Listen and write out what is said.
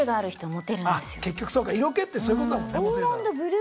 結局そうか色気ってそういうことだもんね。